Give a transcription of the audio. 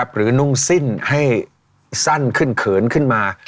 นุ่งสิ้นให้สั้นขึ้นเขินขึ้นมา